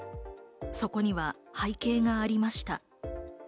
そこには背景がありました。